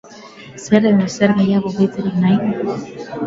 Zer edo zer gehiago gehitzerik nahi?